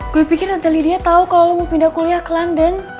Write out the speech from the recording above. gue pikir nanti lydia tau kalo lo mau pindah kuliah ke london